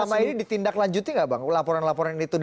selama ini ditindaklanjuti nggak bang laporan laporan itu